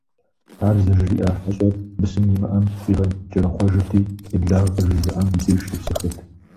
Ар зыжриӀа хьэщӀэр, бысым имыӀэмэ, къигъэкӀэрэхъуэжырти, еблагъэ къыжезыӀам и деж щепсыхырт.